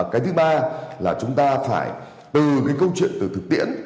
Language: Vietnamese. cái thứ ba là chúng ta phải từ cái câu chuyện từ thực tiễn